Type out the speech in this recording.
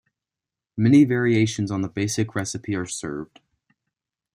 Many variations on the basic recipe are served.